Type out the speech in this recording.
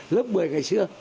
lớp một mươi ngày xưa